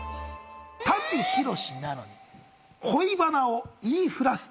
舘ひろしなのに恋バナを言いふらす。